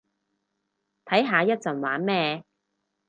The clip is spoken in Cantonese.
睇下一陣玩咩